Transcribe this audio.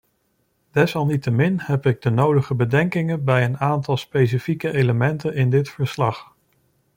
Desalniettemin heb ik de nodige bedenkingen bij een aantal specifieke elementen in dit verslag.